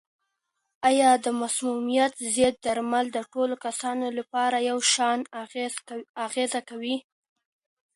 آیا د مسمومیت ضد درمل د ټولو کسانو لپاره یو شان اغېزه کوي؟